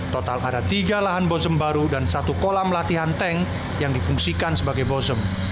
total ada tiga lahan bozem baru dan satu kolam latihan tank yang difungsikan sebagai bozem